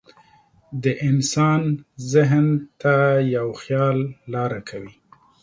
د انسان ذهن ته یو خیال لاره کوي.